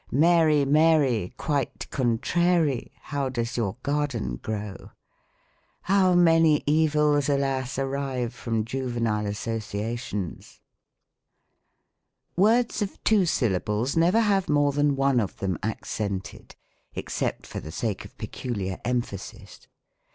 " Mary, Mary, Quite contrary, How does your garden grow ?" How many evils, alas ! arise from juvenile associa tions ! Words of two syllables never have more than one of them accented, except for the sake of peculiar em phasis.